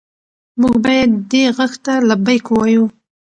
موږ باید دې غږ ته لبیک ووایو.